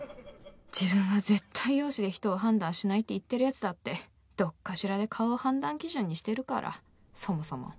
自分は絶対容姿で人を判断しないって言ってるやつだってどっかしらで顔を判断基準にしてるから。